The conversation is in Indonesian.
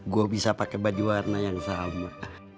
gue bisa pakai baju warna yang sama